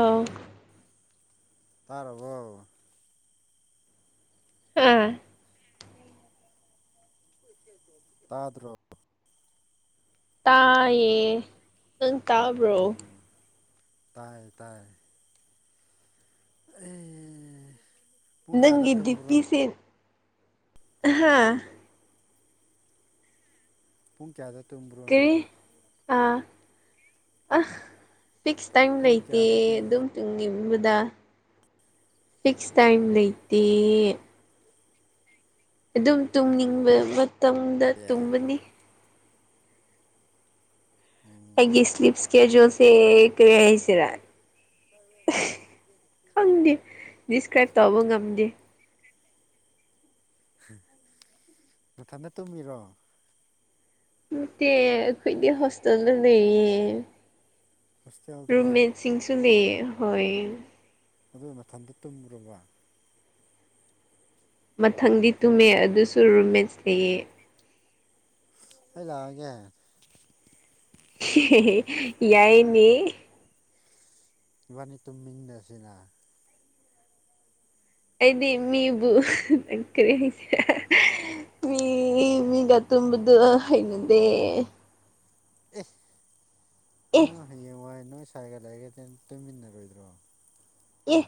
ꯑꯥꯎ ꯇꯥꯔꯔꯕꯣ ꯑꯥ ꯑꯥꯗ꯭ꯔꯣ ꯇꯥꯏꯌꯦ ꯅꯪ ꯇꯥꯕ꯭ꯔꯣ ꯇꯥꯏ ꯇꯥꯏ ꯑꯦ ꯄꯨꯡ ꯀꯌꯥꯗ ꯅꯪꯒꯤꯗꯤ ꯇꯨꯝꯕ꯭ꯔꯣ ꯄꯤꯁꯦ ꯍꯥꯥ ꯄꯨꯡ ꯀꯌꯥꯗ ꯇꯨꯝꯕ꯭ꯔꯣ ꯅꯪ ꯑ ꯑ ꯐꯤꯛꯁ ꯇꯥꯏꯝ ꯄꯨꯡ ꯂꯩꯇꯦ ꯀꯌꯥꯗ ꯇꯨꯝꯕ꯭ꯔꯣ ꯑꯗꯨꯝ ꯇꯨꯡꯒꯤꯕꯗ ꯐꯤꯛꯁ ꯇꯥꯏꯝ ꯂꯩꯇꯦ ꯑꯗꯨꯝ ꯇꯨꯝꯅꯤꯡꯕ ꯃꯇꯝꯗ ꯑꯦ ꯇꯨꯝꯕꯅꯤ ꯍꯥꯏꯒꯤ ꯎꯝ ꯁꯂꯤꯞꯁ ꯀꯌꯥꯖꯣꯁꯦ ꯀꯔꯤ ꯍꯥꯏꯁꯤꯔ ꯈꯪꯗꯦ ꯗꯤꯁꯀ꯭ꯔꯥꯏꯞ ꯇꯧꯕ ꯉꯝꯗꯦ ꯃꯊꯟ ꯗ ꯇꯨꯝꯃꯤꯔꯣ ꯅꯠꯇꯦ ꯑꯩꯈꯣꯏꯗꯤ ꯍꯣꯁꯇꯦꯜꯗ ꯂꯩꯌꯦ ꯍꯣꯁꯇꯦꯜꯗꯔꯣ ꯔꯃꯦꯠ ꯁꯤꯡꯁꯨꯗꯤ ꯍꯣꯏ ꯑꯗꯨ ꯃꯊꯟꯗ ꯇꯨꯝꯈꯔꯕ ꯃꯊꯪꯗꯤ ꯇꯨꯝꯃꯦ ꯑꯗꯨꯁꯨ ꯔꯨꯝꯃꯦꯠꯁ ꯂꯩꯌꯦ ꯑꯩ ꯂꯥꯛ ꯑꯒꯦ ꯌꯥꯏꯅꯤ ꯏꯕꯥꯅꯤ ꯇꯨꯝꯃꯤꯟꯅꯕꯁꯤꯅ ꯑꯩꯗꯤ ꯃꯤꯕꯨ ꯅꯪ ꯀꯔꯤꯍꯥꯏꯁꯤ ꯔꯥ ꯃꯤ ꯃꯤꯒ ꯇꯨꯝꯝꯕꯗꯨ ꯍꯩꯅꯗꯦ ꯑꯦ ꯑꯦ ꯅꯪ ꯍꯌꯦꯡ ꯋꯥꯏ ꯅꯣꯏ ꯁꯋꯥꯒ ꯂꯩꯒꯗꯤ ꯇꯨꯃꯤꯟꯅꯔꯣꯏꯗ꯭ꯔꯣ ꯑꯦ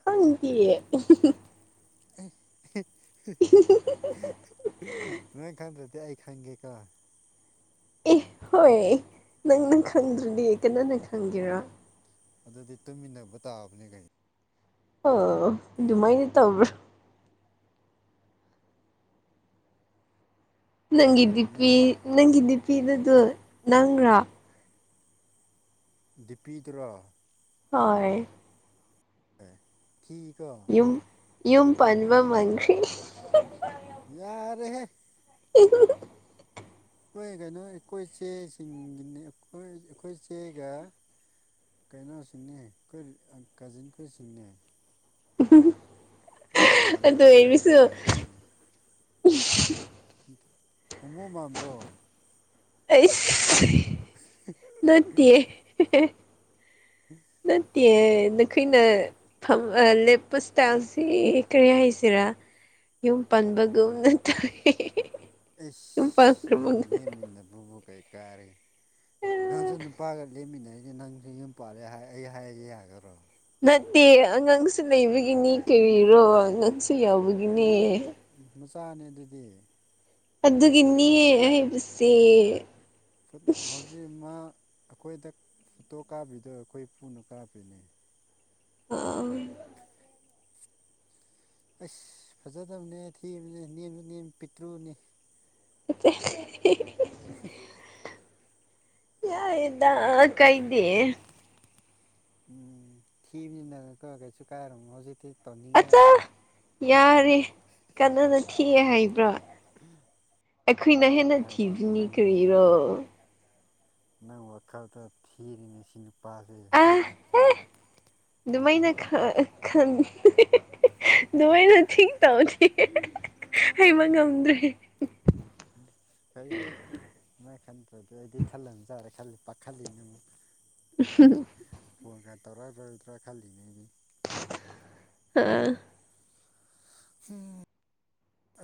ꯈꯪꯗꯤꯌꯦ ꯅꯣꯏ ꯈꯟꯗ꯭ꯔꯗꯤ ꯑꯩ ꯈꯪꯒꯦꯀꯣ ꯑꯦ ꯍꯣꯏ ꯅꯪꯅ ꯈꯪꯗ꯭ꯔꯗꯤ ꯀꯅꯥꯅ ꯈꯪꯒꯦꯔꯣ ꯑꯗꯨꯗꯤ ꯇꯨꯃꯤꯟꯅꯕ ꯇꯥꯕꯅꯦ ꯀꯩꯅ ꯑꯣ ꯑꯗꯨꯃꯥꯏꯅ ꯇꯧꯕ꯭ꯔꯥ ꯅꯪꯒꯤ ꯌꯥꯒꯗꯕꯅꯦ ꯗꯤꯄꯤ ꯅꯪꯒꯤ ꯗꯤꯄꯤꯗꯨꯗꯣ ꯅꯪꯒ꯭ꯔꯥ ꯗꯤꯄꯤꯗꯨꯔꯣ ꯍꯣꯏ ꯑꯦ ꯀꯤꯀꯣ ꯌꯨꯝ ꯌꯨꯨꯝ ꯄꯟꯕ ꯃꯟ ꯈꯔ꯭ꯦ ꯌꯥꯔꯦꯍꯦ ꯀ [inaudible] ꯑꯩꯈꯣꯏ ꯀꯩꯅꯣ ꯑꯩꯈꯣꯏ ꯏꯆꯦꯁꯤꯡꯒꯤꯅꯤ ꯑꯩꯈꯣꯏ ꯏꯆꯦꯒ ꯀꯩꯅꯣꯁꯤꯡꯅꯦ ꯑꯩꯈꯣꯏ ꯀꯖꯤꯟꯈꯣꯏꯁꯤꯡꯅꯦ ꯎ ꯑ ꯃꯄꯥꯟ ꯂꯝꯗ ꯂꯩꯕ ꯃꯇꯝꯗꯅꯦ ꯍꯣꯃꯣ ꯃꯥꯟꯕꯥꯔꯣ ꯑꯩꯁ ꯅꯠꯇꯦ ꯅꯠꯇꯦ ꯑꯩꯈꯣꯏꯅ ꯂꯦꯞꯄ ꯏꯁꯇꯥꯏꯜꯁꯤ ꯀꯔꯤ ꯍꯥꯏꯁꯤꯔꯥ ꯌꯨꯝ ꯄꯟꯕꯒꯨꯝꯅ ꯇꯧꯏ ꯏꯁ ꯑꯗꯨꯝ ꯂꯦꯝꯃꯤꯟꯅ ꯕꯕꯨ ꯀꯩ ꯀꯥꯔꯦ ꯅꯪꯁꯨ ꯑꯗꯨ ꯄꯥꯒ ꯂꯦꯝꯃꯤꯟꯅꯩꯁꯦ ꯅꯪꯁꯨ ꯌꯨꯝ ꯄꯥꯜꯂꯦ ꯑꯩ ꯍꯥꯏꯔꯁꯦ ꯌꯥꯈꯔꯣ ꯅꯠꯇꯦ ꯑꯉꯥꯡꯁꯨ ꯂꯩꯕꯒꯤꯅꯤ ꯀꯔꯤꯔꯣ ꯑꯉꯥꯡꯁꯨ ꯌꯥꯎꯕꯒꯤ ꯃꯆꯥꯅꯦ ꯑꯗꯨꯗꯤ ꯑꯗꯨꯒꯤꯅꯤ ꯍꯥꯏꯕꯁꯦ ꯍꯧꯖꯤꯛ ꯃꯥ ꯑꯩꯈꯣꯏꯗ ꯐꯨꯠꯇꯣ ꯀꯥꯞꯕꯤꯗꯣ ꯑꯩꯈꯣꯏ ꯄꯨꯅ ꯀꯥꯔꯞꯄꯤꯅꯤ ꯑꯥ ꯎꯝ ꯑꯁ ꯐꯖꯗꯕꯅꯦ ꯊꯤꯕꯅꯦ ꯅꯦꯝꯁꯨ ꯅꯦꯝ ꯄꯤꯛꯇ꯭ꯔꯨꯅꯦ ꯑ ꯌꯥꯗ ꯀꯩꯗꯦ ꯎꯝ ꯊꯤꯕꯅꯤꯅꯥ ꯀꯣ ꯀꯩꯁꯨ ꯀꯥꯏꯔꯝꯃꯣꯏ ꯍꯧꯖꯤꯇꯤ ꯑꯆꯥ ꯌꯥꯔꯦ ꯀꯅꯥꯅ ꯊꯤꯑꯦ ꯍꯥꯏꯕ꯭ꯔꯣ ꯑꯩꯈꯣꯏꯅ ꯍꯦꯟꯅ ꯍꯥꯏꯁꯤꯗꯤ ꯊꯤꯕꯅꯤ ꯅꯪ ꯀꯔꯤꯔꯣ ꯅꯪ ꯋꯥꯈꯜꯗ ꯊꯤꯔꯤꯉꯩ ꯁꯤ ꯅꯨꯄꯥꯁꯦ ꯑꯦ ꯑꯗꯨꯃꯥꯏꯅ ꯈꯟ ꯑꯗꯨꯃꯥꯏꯅ ꯊꯤꯡ ꯇꯧꯗꯤ ꯍꯩꯕ ꯉꯝꯗ꯭ꯔꯦ ꯎꯝ ꯐꯩ ꯐꯩ ꯃꯥꯏ ꯈꯟꯗ꯭ꯔꯗꯤ ꯑꯩꯗꯤ ꯈꯜꯂꯅ ꯆꯔꯦ ꯈꯜꯂꯤ ꯄ ꯈꯜꯂꯤꯅ ꯑꯃꯨꯛ ꯍꯝ ꯐꯣꯟꯒ ꯇꯧꯔꯛꯑꯔꯣꯏꯗ꯭ꯔꯥ ꯈꯜꯂꯤꯅꯦꯗꯤ ꯑ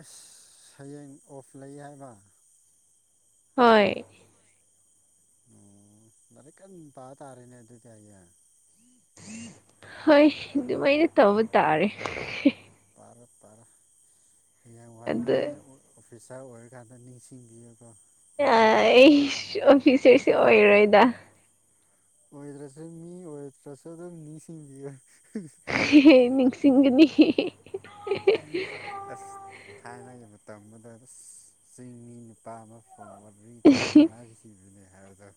ꯑꯁ ꯁꯌꯦꯡ ꯑꯣꯐ ꯂꯩ ꯍꯥꯏꯕ ꯍꯣꯏ ꯑꯣ ꯂꯥꯏꯔꯤꯛ ꯀꯟ ꯄꯥ ꯇꯥꯔꯦꯅꯦ ꯑꯗꯨꯗꯤ ꯍꯥꯏꯌꯦ ꯍꯣꯏ ꯑꯗꯨꯃꯥꯏꯅ ꯇꯧꯕ ꯇꯥꯔꯦ ꯄꯔ ꯄꯔꯡ ꯋꯥ ꯃꯤ ꯑꯗꯨ ꯑꯣꯐꯤꯁꯥꯔ ꯑꯣꯏꯔꯀꯥꯟꯗ ꯅꯤꯡꯁꯤꯡꯕꯤꯌꯒ ꯑꯩ ꯑꯣꯐꯤꯁꯔꯁꯤ ꯑꯣꯏꯔꯣꯏꯗ ꯑꯣꯏꯗ꯭ꯔꯁꯨ ꯃꯤ ꯑꯣꯏꯗ꯭ꯔꯁꯨ ꯑꯗꯨꯝ ꯃꯤꯁꯤꯡꯕꯤ ꯅꯤꯡꯁꯤꯡꯒꯅꯤ ꯑꯁ ꯊꯥꯏꯅꯒꯤ ꯃꯇꯝꯗꯨꯗ ꯆꯤꯡꯃꯤ ꯅꯨꯄꯥ ꯑꯃ ꯐꯣꯟꯒꯠꯔꯤ ꯇꯣꯏꯅ ꯁꯥꯟꯅꯈꯤꯕꯅꯤ ꯍꯥꯏꯕꯗ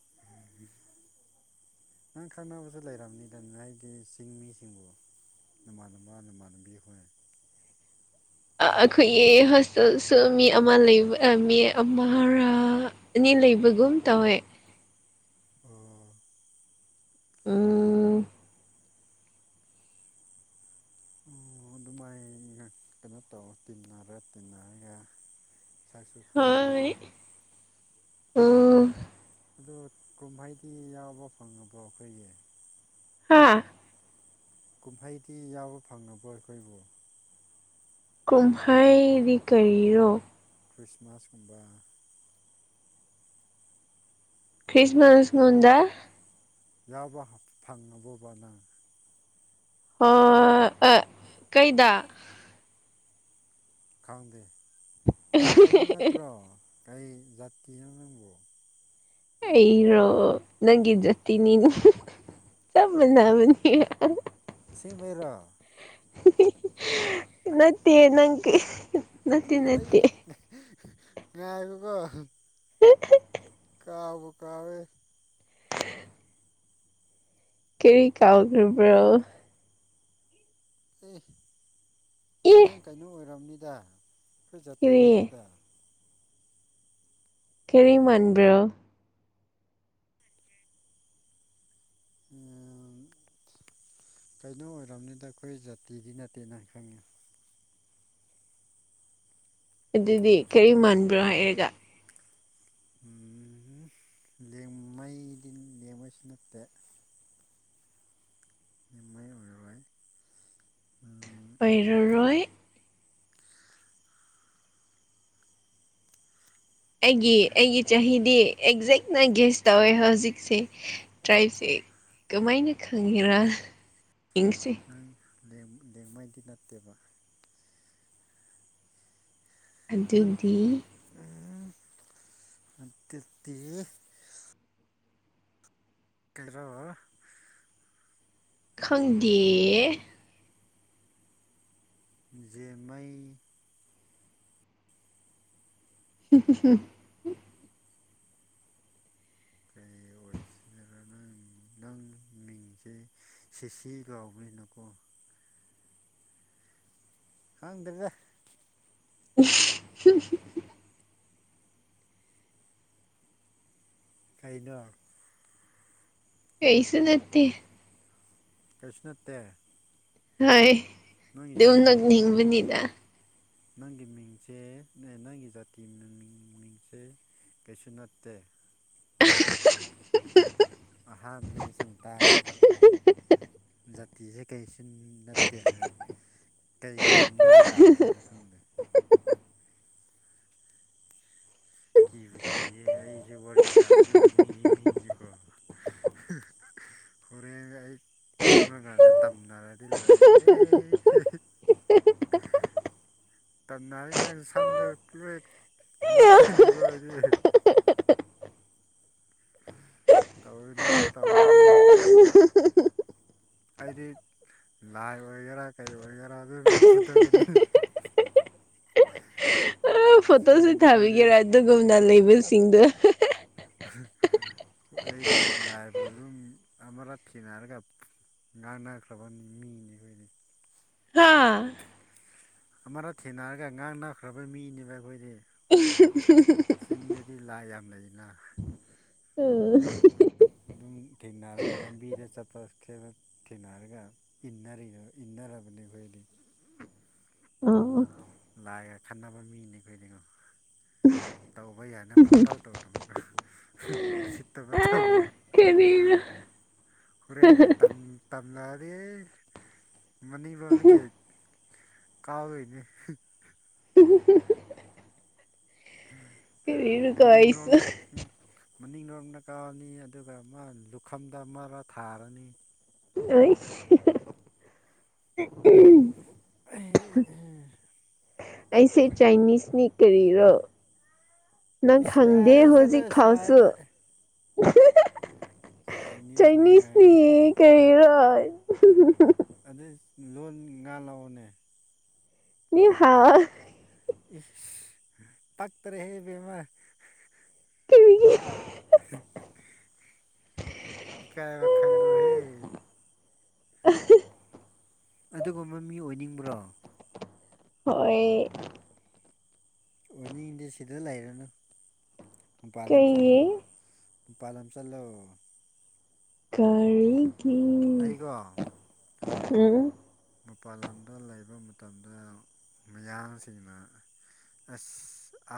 ꯅꯪ ꯈꯪꯅꯕꯁꯨ ꯂꯩꯔꯕꯅꯤꯗꯅ ꯍꯥꯏꯗꯤ ꯆꯤꯡ ꯃꯤꯁꯤꯡꯕꯨ ꯅꯃꯥꯟꯅꯕ ꯅꯃꯥꯟꯅꯕꯤ ꯑꯩꯈꯣꯏ ꯑꯩꯈꯣꯏꯒꯤ ꯍꯣꯁꯇꯦꯜꯁꯨ ꯃꯤ ꯑꯃ ꯂꯩꯕ ꯃꯤ ꯑꯃꯔꯥ ꯑꯅꯤ ꯂꯩꯕꯒꯨꯝ ꯇꯧꯋꯦ ꯎꯥ ꯑ ꯑꯣ ꯑꯗꯨꯃꯥꯏꯅ ꯀꯩꯅꯣ ꯇꯧ ꯇꯤꯟꯅꯔ ꯇꯤꯟꯅꯔꯒ ꯁꯥꯁꯨ ꯈꯪꯅꯔ ꯍꯣꯏ ꯎꯝ ꯑꯣ ꯀꯨꯝꯍꯩꯗꯤ ꯌꯥꯎꯕ ꯐꯪꯉꯕꯣ ꯑꯩꯈꯣꯏꯒꯤ ꯍꯥꯥ ꯀꯨꯝꯍꯩꯗꯤ ꯌꯥꯎꯕ ꯐꯪꯉꯕ ꯑꯩꯈꯣꯏꯕꯨ ꯀꯨꯝꯍꯥꯏꯗꯤ ꯀꯔꯤꯔꯣ ꯈ꯭ꯔꯤꯁꯃꯥꯁ ꯀꯨꯝꯕ ꯈ꯭ꯔꯤꯁꯃꯁ ꯍꯗ ꯌꯥꯕ ꯐꯪꯉꯕꯕꯅ ꯀꯩꯗ ꯈꯪꯗꯦ ꯅꯪ ꯀꯥꯏꯗ ꯅꯠꯇ꯭ꯔꯣ ꯀꯩ ꯖꯥꯇꯤꯅꯣ ꯅꯪꯕꯨ ꯑꯩꯔꯣ ꯅꯪꯒꯤ ꯑꯥ ꯖꯇꯤꯅꯤꯅ ꯆꯞ ꯃꯅꯕꯅꯤ ꯑꯁꯤ ꯃꯩꯔꯥ ꯅꯠꯇꯦ ꯅꯪ ꯅꯠꯇꯦ ꯑꯩ ꯅꯠꯇꯦ ꯉꯥꯏꯕꯀꯣ [unintelligible] ꯀ ꯀꯥꯥꯎꯕ ꯀꯥꯋꯦ ꯀꯦꯔꯤ ꯀꯥꯎꯈ꯭ꯔꯤꯕ꯭ꯔꯣ ꯑꯦ ꯑꯦ ꯅꯪ ꯀꯩꯅꯣ ꯑꯣꯏꯝꯅꯤꯗ ꯑꯩꯈꯣꯏ ꯖꯥꯠꯇꯤ ꯀꯔꯤ ꯅꯠꯇꯦꯗ ꯀꯦꯔꯤ ꯃꯟꯕ꯭ꯔꯣ ꯀꯩꯅꯣ ꯑꯣꯏꯔꯕꯝꯅꯤꯗ ꯑꯩꯈꯣꯏ ꯖꯥꯇꯤꯗꯤ ꯅꯠꯇꯦꯅ ꯈꯪꯉꯦ ꯑꯗꯨꯗꯤ ꯁꯨꯝ ꯀꯔꯤ ꯃꯥꯟꯕ꯭ꯔꯣ ꯍꯥꯏꯔꯒ ꯂꯦꯡꯉꯩꯗꯤ ꯂꯦꯡꯕꯩꯁꯨ ꯅꯠꯇꯦ ꯌꯦꯃꯩ ꯑꯣꯏꯔꯣꯏ ꯄꯔꯔꯣꯏ ꯑꯩꯒꯤ ꯑꯩꯒꯤ ꯀꯩ ꯆꯍꯤꯗꯤ ꯑꯦꯛꯖꯦꯛꯅ ꯒꯦꯁ ꯇꯧꯋꯦ ꯍꯧꯖꯤꯛꯁꯦ ꯇ꯭ꯔꯥꯏꯞꯁꯦ ꯀꯃꯥꯏꯅ ꯈꯪꯉꯦꯔ ꯏꯪꯁꯦ ꯑꯩ ꯂꯦꯡꯉꯩꯗꯤ ꯅꯠꯇꯦꯕ ꯑꯗꯨꯗꯤ ꯎꯝ ꯇꯠꯇ ꯀꯔꯣ ꯈꯪꯗꯦ ꯖꯦ ꯃꯩ ꯎ ꯍꯨꯝ ꯀꯩ ꯑꯣꯏꯁꯤꯔ ꯅꯪ ꯅꯪ ꯃꯤꯡꯁꯦ ꯁꯤꯁꯤ ꯂꯥꯎꯕꯅꯤꯅꯀꯣ ꯈꯥꯡꯪꯗ꯭ꯔꯒ ꯎ ꯍ ꯇꯥꯏꯩꯅ ꯀꯩꯁꯨ ꯅꯠꯇꯦ ꯀꯩꯁꯅꯠꯇꯦ ꯍꯣꯏ ꯑꯗꯨꯝ ꯖꯥꯇꯤ ꯃꯤꯡ ꯅꯛꯅꯤꯡꯕꯅꯤꯗ ꯅꯪꯒꯤ ꯃꯤꯡꯁꯦ ꯅꯪꯒꯤ ꯖꯥꯇꯤ ꯃꯤꯡꯁꯦ ꯀꯩꯁꯨ ꯅꯠꯇꯦ [inaudible] ꯑꯍꯥ ꯑꯅꯒꯤ ꯆꯤꯟ ꯇꯥꯔꯁꯦ ꯖꯥꯇꯤꯁꯦ ꯀꯔꯤꯁꯨ ꯅꯠꯇꯦ ꯍꯥꯏ ꯀꯔꯤ ꯂꯝꯗꯒꯤ ꯂꯥꯛꯑꯖꯥꯠꯔꯣ ꯈꯪꯗꯦ [inaudible] ꯀꯤꯕꯨ ꯀꯤꯌꯦꯦ ꯑꯩꯁꯦ ꯋꯥꯔꯤ ꯁꯥꯔꯁꯤꯕ ꯃꯤꯅꯤ ꯃꯤꯅꯤꯀꯣ ꯍ ꯍꯣꯔꯦꯟꯒ ꯑꯩ ꯇꯨꯝꯂꯀꯥꯟꯗ ꯇꯝꯅꯔꯗꯤ ꯂꯣꯏꯔꯦꯕꯩ ꯇꯟꯅ ꯑꯩ ꯅꯪ ꯁꯝꯗ ꯄꯦꯛ ꯃꯊꯦꯟꯁꯤꯔꯣ ꯍꯥꯏꯗꯤ ꯇꯧꯅꯕꯣ ꯇꯧꯅꯕꯣ ꯑꯩꯗꯤ ꯂꯥꯏ ꯑꯣꯏꯒꯦꯔꯥ ꯀꯩ ꯑꯣꯏꯒꯦꯔꯥ ꯑꯗꯨꯝ ꯐꯨꯊꯒꯅꯤ ꯑꯣ ꯐꯣꯇꯣꯁꯨ ꯁꯦꯡꯕꯗ ꯑꯩꯈꯣꯏꯗꯤ ꯊꯥꯕꯤꯒꯦꯔꯥ ꯑꯗꯨꯒꯨꯝꯅ ꯂꯩꯕꯁꯤꯡꯗꯣ ꯑꯩꯗꯤ ꯂꯥꯏꯕꯨ ꯑꯗꯨꯝ ꯑꯃꯔ ꯊꯦꯡꯅꯔꯒ ꯉꯥꯡꯅꯈ꯭ꯔꯕꯅꯤ ꯃꯤꯅꯤ ꯑꯩꯈꯣꯏꯗꯤ ꯍꯥꯥ ꯑꯃꯅ ꯊꯦꯡꯅꯔꯒ ꯉꯥꯡꯅꯈ꯭ꯔꯕ ꯃꯤꯅꯦꯕ ꯑꯩꯈꯣꯏꯗꯤ ꯎ ꯆꯤꯡꯗꯗꯤ ꯂꯥꯏ ꯌꯥꯝ ꯂꯩꯅ ꯎ ꯑꯗꯨꯝ ꯊꯦꯡꯅꯔꯒ ꯂꯝꯕꯤꯗ ꯆꯠꯄ ꯈꯦꯠꯅ ꯊꯦꯡꯅꯔꯒ ꯏꯟꯟꯅꯔꯤꯔ ꯏꯟꯟꯅꯔꯥꯕꯅꯤꯈꯣꯏꯗꯤ ꯑꯣ ꯂꯥꯛꯑꯒ ꯈꯟꯅꯕ ꯃꯤꯅꯦꯈꯣꯏꯗꯤꯉꯣ ꯇꯧꯕ ꯌꯥꯏꯅ ꯄꯨꯡꯇꯥꯎ ꯇꯧꯔꯨꯅꯨ ꯎꯁꯤꯠꯇꯕ ꯇꯧꯅꯨ ꯀꯔꯤꯅ ꯀꯔꯦꯒ ꯇꯝ ꯇꯝꯂꯗꯤꯦ ꯃꯅꯤꯡ ꯂꯣꯟꯅ ꯀꯩ ꯀꯥꯎꯗꯣꯏꯅꯦ ꯀꯔꯤꯔꯀꯣ ꯑꯩꯁꯨ ꯃꯅꯤꯡꯔꯣꯝꯗ ꯎ ꯃꯅꯤꯡ ꯂꯔꯣꯡꯅ ꯀꯥꯎꯔꯅꯤ ꯑꯗꯨꯒ ꯃꯥ ꯂꯨꯈꯝꯗ ꯑꯃ ꯊꯥꯔꯅꯤ ꯑ ꯎ ꯑꯩꯁꯦ ꯆꯥꯏꯅꯤꯁꯅꯤ ꯀꯔꯤꯔꯣ ꯅꯪ ꯏꯁ ꯈꯪꯗꯦ ꯌꯥꯔꯦ ꯆꯠꯂꯣ ꯍꯧꯖꯤꯛ ꯐꯥꯎꯁꯨ ꯁꯥꯏꯗ ꯆꯥꯏꯅꯤꯁꯅꯤ ꯀꯔꯤꯔꯣ ꯑꯗꯨ ꯂꯣꯟ ꯉꯥ ꯂꯥꯛꯑꯣꯅꯦ ꯍꯥ ꯏ ꯇꯥꯛꯛꯇꯔꯦ ꯕꯤꯃꯔ ꯀꯔꯤꯒꯤ [unintelligible] ꯏꯀꯥꯏꯔ ꯈꯥꯉꯨꯍꯦ ꯑ ꯑꯗꯨꯒꯨꯝꯕ ꯃꯤ ꯑꯣꯏꯅꯤꯡꯕ꯭ꯔꯣ ꯍꯣꯏ ꯑꯣꯏꯅꯤꯡ ꯏꯗꯤꯦ ꯁꯤꯗ ꯂꯩꯔꯅꯨ ꯃꯄꯥꯟꯗ ꯑꯃ ꯆꯠꯂꯣ ꯀꯩꯒꯤ ꯨꯡꯄꯥꯥꯜꯂ ꯆꯜꯂꯑꯣ ꯀꯔꯤꯒꯤ ꯑꯩꯀꯣ ꯃꯄꯥꯥꯟ ꯂꯝꯗ ꯂꯩꯕ ꯃꯇꯝꯗ ꯃꯤꯌꯥꯝꯁꯤꯡꯅ ꯑꯁ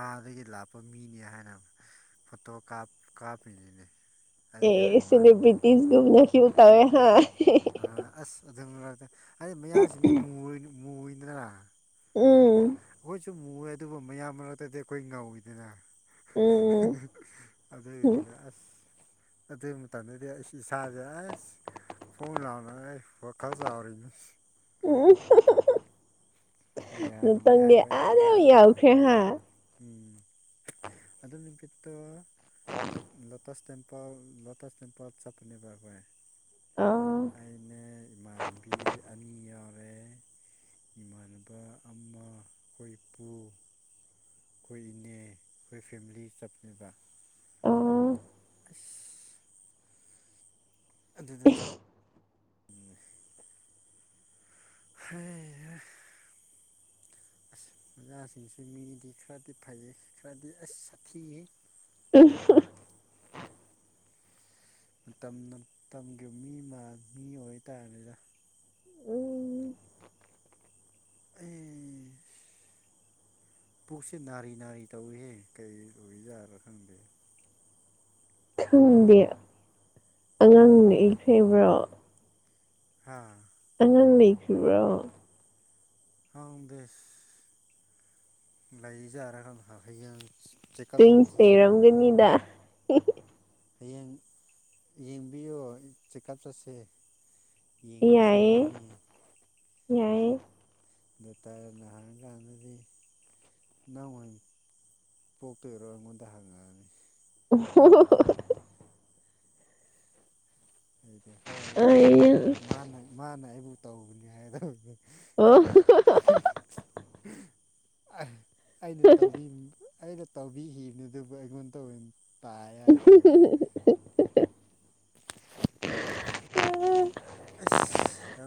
ꯑꯥꯗꯒꯤ ꯂꯥꯄ ꯃꯤꯅꯤ ꯍꯥꯏꯅꯕ ꯐꯣꯇꯣ ꯀꯥꯞ ꯀꯥꯞ ꯏꯉꯅꯦ ꯑꯦ ꯁꯤꯦꯂꯤꯕ꯭ꯔꯤꯇꯤꯁꯒꯨꯝꯅꯁꯨ ꯇꯔꯦ ꯍꯥꯏ ꯑꯥ ꯑꯁ ꯑꯗꯨꯝ ꯂꯥꯛꯇ ꯍꯥꯏꯗꯤ ꯃꯌꯥꯝꯁꯤꯅꯦ ꯃꯨꯣꯏꯗ꯭ꯔꯥ ꯎꯝ ꯑꯩꯈꯣꯏꯁꯨ ꯃꯨꯋꯦ ꯑꯗꯨꯕꯨ ꯃꯌꯥꯝ ꯃꯔꯛꯇꯗꯤ ꯑꯩꯈꯣꯏ ꯉꯧꯋꯤꯗꯅ ꯎꯝ ꯑꯗꯨꯗ ꯎꯝ ꯂꯩ ꯑꯁ ꯑꯗꯨꯒꯤ ꯃꯇꯝꯗꯗꯤ ꯑꯩ ꯏꯁꯥꯁꯦ ꯑꯁ ꯐꯣꯟ ꯂꯅ ꯋꯥꯀꯜꯖꯔꯅꯤ ꯃꯌꯥꯝ ꯎꯝ ꯃꯌꯥ ꯇꯪꯗꯤ ꯑꯩꯈꯣꯏ ꯑꯥꯗ ꯌꯥꯝ ꯀꯥꯕꯒ ꯌꯥꯎꯈ꯭ꯔꯦ ꯍꯥꯏ ꯎꯝ ꯑꯗꯨ ꯅꯨꯃꯤꯠꯇ lotus temple temple lotus temple ꯆꯄꯅꯤꯕꯔꯕ ꯑꯥ ꯑꯅꯦ ꯏꯃꯥꯟꯅꯕꯤ ꯑꯅꯤ ꯌꯥꯎꯔꯦ ꯏꯃꯥꯟꯅꯕ ꯑꯃ ꯑꯩꯈꯣꯏ ꯏꯄꯨ ꯑꯩꯈꯣꯏ ꯏꯅꯦ ꯑꯩꯈꯣꯏ ꯐꯦꯃꯤꯂꯤ ꯆꯞꯃꯤꯕ ꯑꯥ ꯑ ꯑꯗꯨꯗ ꯆꯥꯝ ꯍ ꯑꯁ ꯑꯣꯖꯥꯁꯤꯡꯁꯤ ꯃꯤꯗꯤ ꯈꯔꯗꯤ ꯐꯩꯌꯦ ꯈꯔꯗꯤ ꯑꯁ ꯁꯥꯊꯤꯌꯦ ꯎ ꯃꯇꯝ ꯃꯇꯝꯒꯤ ꯃꯤ ꯃꯤ ꯑꯣꯏꯇꯥꯔꯅꯤꯗ ꯎꯝ ꯎꯝ ꯄꯨꯛꯁꯦ ꯅꯥꯔꯤ ꯅꯥꯔꯤ ꯇꯧꯏꯍꯦ ꯀꯩ ꯂꯣꯏꯖꯥꯔꯥ ꯈꯪꯗꯦ ꯈꯪꯗꯦ ꯑꯉꯥꯡꯅ ꯎꯝ ꯏꯈ꯭ꯔꯕ꯭ꯔꯣ ꯍꯥꯥ ꯑꯉ ꯂꯩꯈꯔꯤꯕ꯭ꯔꯣ ꯑꯪꯗꯁ ꯂꯥꯏꯖꯔꯥꯒꯝ ꯊꯩꯒ ꯑ ꯆꯦꯛꯀꯞ ꯇ꯭ꯋꯤꯟꯁ ꯇꯧꯕꯁꯦ ꯁꯦꯔ ꯈꯪꯗꯦ ꯂꯩꯔꯝꯒꯅꯤꯗ ꯍꯌꯦꯡ ꯌꯦꯡꯕꯤꯌꯣ ꯆꯦꯛꯀꯞ ꯆꯠꯁꯦ ꯌꯦꯡꯂꯨꯁꯤ ꯌꯥꯏꯌꯦ ꯏꯕꯥꯅꯤ ꯌꯥꯏꯌꯦ ꯗꯣꯀꯇꯔꯅꯥ ꯍꯪꯉꯥ ꯀꯥꯟꯗꯗꯤ ꯅꯪ ꯑꯣꯏꯅꯥ ꯄꯣꯛꯇꯣꯏꯔꯣ ꯑꯩꯉꯣꯟꯗ ꯍꯪꯉꯛꯑꯅꯤ [unintelligible] ꯑꯩꯗꯤ ꯍꯣꯏ ꯑꯩ ꯃꯥꯅ ꯃꯥꯅ ꯑꯩꯕꯨ ꯇꯧꯕꯅꯤ ꯍꯥꯏꯔꯛꯅꯤ ꯑꯣ ꯑꯩꯅ ꯇꯧꯕꯤ ꯑꯩꯅ ꯇꯧꯕꯤꯈꯤꯕꯗꯨꯕꯨ ꯑꯩꯉꯣꯟꯗ ꯇꯧꯕ ꯑꯣꯏꯅ ꯇꯥ ꯌꯥꯏ ꯇꯧꯕꯅꯤ ꯑ